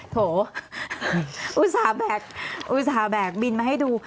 โถอุตส่าห์แบกบินมาให้ดู